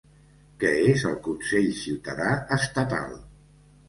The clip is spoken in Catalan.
Què és el consell ciutadà estatal?